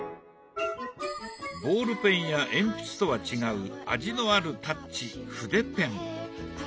ボールペンや鉛筆とは違う味のあるタッチ筆ペン。